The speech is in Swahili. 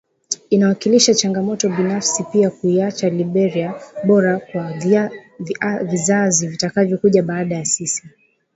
Inawakilisha changamoto binafsi pia kuiacha Liberia bora kwa vizazi vitakavyokuja baada ya sisi